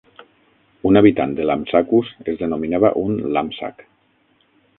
Un habitant de Lampsacus es denominava un "Làmpsac".